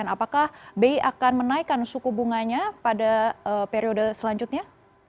apakah bi akan menaikkan suku bunganya pada periode selanjutnya